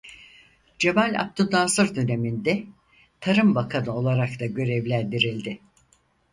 Cemal Abdünnasır döneminde Tarım Bakanı olarak da görevlendirildi.